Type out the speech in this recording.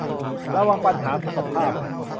ระวังปัญหาสุขภาพ